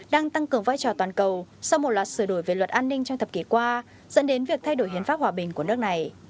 đang tăng cường vai trò toàn cầu sau một loạt sửa đổi về luật an ninh trong thập kỷ qua dẫn đến việc thay đổi hiến pháp hòa bình của nước này